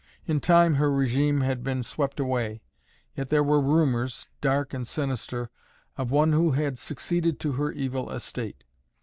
In time her regime had been swept away, yet there were rumors, dark and sinister, of one who had succeeded to her evil estate.